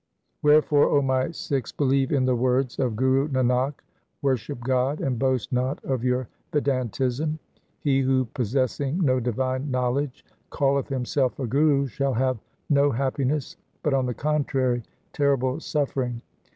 1 ' Wherefore, 0 my Sikhs, believe in the words of Guru Nanak, worship God, and boast not of your Vedantism. He who, possessing no divine know ledge, calleth himself a guru shall have no happiness, but on the contrary terrible suffering.